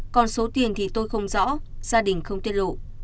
còn số tiền thì tôi không rõ gia đình không tiết lộ